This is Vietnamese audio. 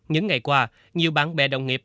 những ngày qua nhiều bạn bè đồng nghiệp